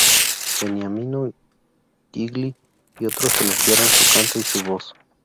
Beniamino Gigli y otros elogiaron su canto y su voz.